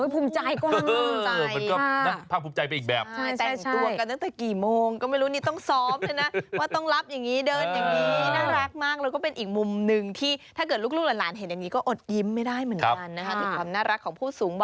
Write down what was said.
ภูมิใจกว้าง